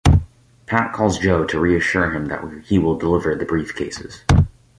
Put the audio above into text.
Pat calls Joe to reassure him that he will deliver the briefcases.